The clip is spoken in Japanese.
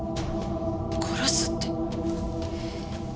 殺すって。